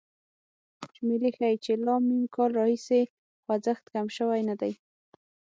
شمېرې ښيي چې له م کال راهیسې خوځښت کم شوی نه دی.